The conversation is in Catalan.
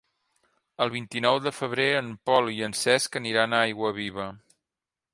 El vint-i-nou de febrer en Pol i en Cesc aniran a Aiguaviva.